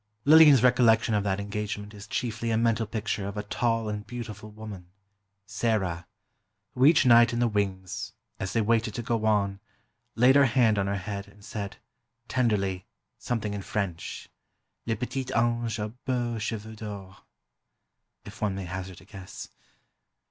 Lillian's recollection of that engagement is chiefly a mental picture of a tall and beautiful woman—Sarah—who each night in the wings, as they waited to go on, laid her hand on her head and said, tenderly, something in French—"Le petit ange aux beaux cheveux d'or," if one may hazard a guess.